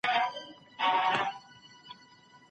دروني ارامي د زړه پاچاهي ده.